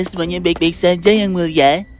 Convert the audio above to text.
semuanya baik baik saja yang mulia